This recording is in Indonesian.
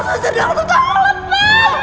susah dokter tolong